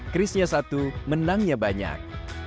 chris tuntas menangnya banyak